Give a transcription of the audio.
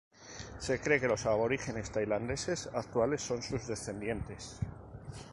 Se cree que los aborígenes taiwaneses actuales son sus descendientes.